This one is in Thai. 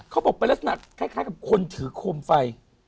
เขาบอกเป็นลักษณะคล้ายกับคนถือโคมไฟ